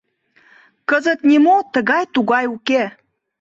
Кызыт нимо тыгай-тугай уке.